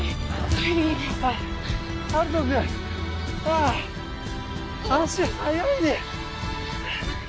ああ足速いね。